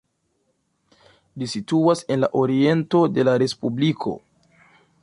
Ĝi situas en la oriento de la respubliko.